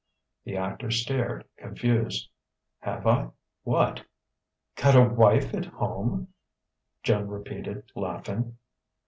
The actor stared, confused. "Have I what?" "Got a wife at home?" Joan repeated, laughing.